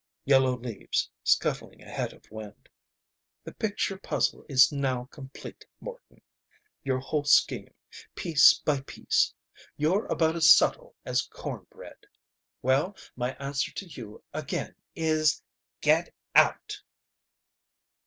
Yellow leaves scuttling ahead of wind. "The picture puzzle is now complete, Morton. Your whole scheme, piece by piece. You're about as subtle as corn bread. Well, my answer to you again is, 'Get out!'"